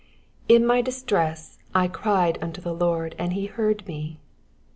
IN my distress I cried unto the LORD, and he heard me.